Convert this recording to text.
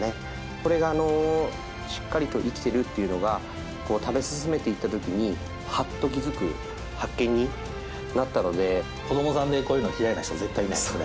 これがあのしっかりと生きてるっていうのがこう食べ進めていった時にハッと気づく発見になったので子どもさんでこういうの嫌いな人絶対いないですよね